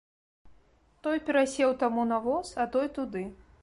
Той перасеў таму на воз, а той туды.